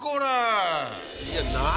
いや何？